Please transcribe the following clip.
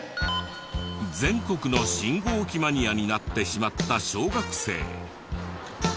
全国の信号機マニアになってしまった小学生。